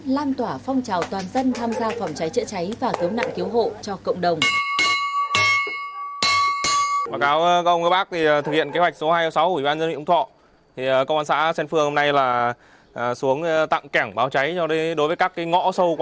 lan tỏa phong trào toàn dân tham gia phòng cháy chữa cháy và cứu nạn cứu hộ cho cộng đồng